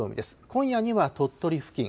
今夜には鳥取付近。